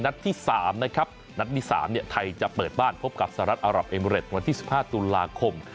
นัดที่สามนะครับนัดที่สามเนี่ยไทยจะเปิดบ้านพบกับสหรัฐอารับเอมอเรดวันที่สิบห้าตุลาคม